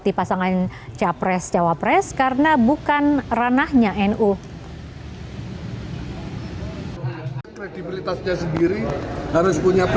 berarti pasangan capres jawa pres karena bukan ranahnya nu